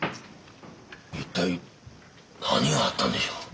一体何があったんでしょう。